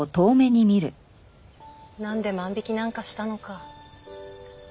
なんで万引きなんかしたのか。